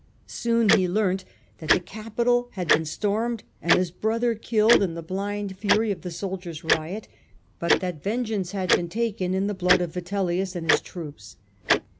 Soon he learnt that the Capitol had been stormed and his brother killed in the blind fury of the soldiers^ riot, but that vengeance had been taken in the blood of Vitellius and his troops.